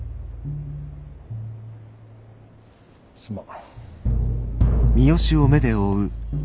すまん。